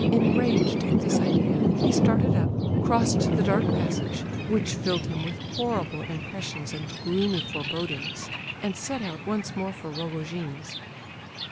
Enraged at this idea, he started up, crossed the dark passage (which filled him with horrible impressions and gloomy forebodings), and set out once more for Rogojin's.